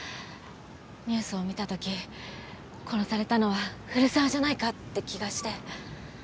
ニュースを見た時殺されたのは古沢じゃないかって気がして。